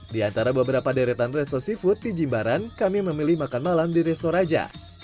di antara beberapa deretan resto seafood di jimbaran kami memilih makan malam di restoraja